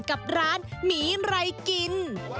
กับร้านหมีไรกิน